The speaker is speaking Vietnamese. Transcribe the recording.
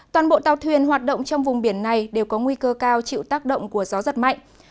toàn bộ tàu thuyền hoạt động trong vùng biển này đều có nguy cơ cao chịu tác động của gió giật mạnh